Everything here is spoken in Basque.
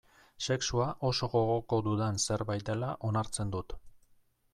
Sexua oso gogoko dudan zerbait dela onartzen dut.